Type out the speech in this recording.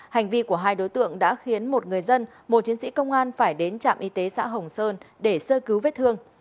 hành vi của hai đối tượng đã khiến một người dân một chiến sĩ công an phải đến trạm y tế xã hồng sơn để sơ cứu vết thương